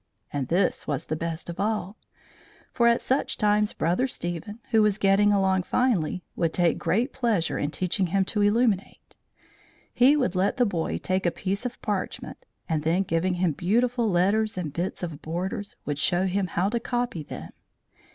And this was the best of all; for at such times Brother Stephen, who was getting along finely, would take great pleasure in teaching him to illuminate. He would let the boy take a piece of parchment, and then giving him beautiful letters and bits of borders, would show him how to copy them.